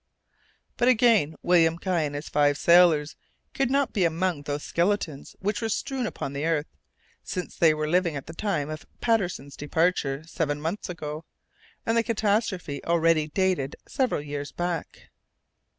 But, again, William Guy and his five sailors could not be among those skeletons which were strewn upon the earth, since they were living at the time of Patterson's departure, seven months ago, and the catastrophe already dated several years back!